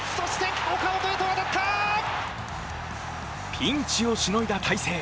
ピンチをしのいだ大勢。